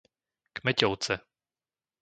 Kmeťovce